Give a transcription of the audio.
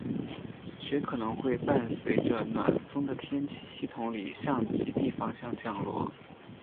雪可能会伴随着暖锋的天气系统里向极地方向降落。